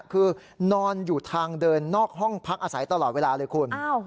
คือนอนอยู่ทางเดินนอกห้องพักอาศัยตลอดเวลาเลยคุณ